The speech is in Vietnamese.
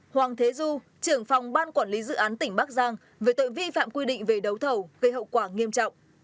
hoàng thế du trưởng phòng ban quản lý dự án tỉnh bắc giang về tội vi phạm quy định về đấu thầu gây hậu quả nghiêm trọng